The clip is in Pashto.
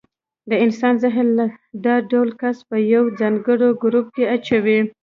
د انسان ذهن دا ډول کس په یو ځانګړي ګروپ کې اچوي.